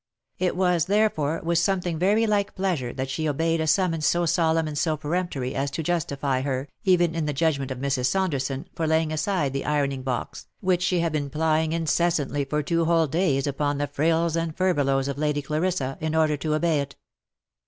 It was, therefore, with something very like pleasure that she obeyed a summons so solemn and so peremptory as to justify her, even in the judgment of Mrs. Saunderson, for laying aside the ironing box, which she had been plying incessantly for two whole days upon the frills and furbelows of Lady Clarissa, in order to obey it.